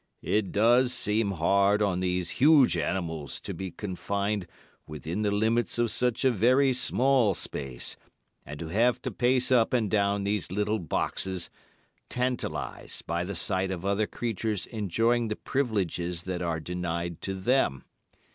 "It does seem hard on these huge animals to be confined within the limits of such a very small space and to have to pace up and down these little boxes, tantalised by the sight of other creatures enjoying the privileges that are denied to them.